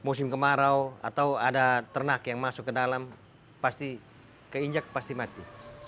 musim kemarau atau ada ternak yang masuk ke dalam pasti keinjak pasti mati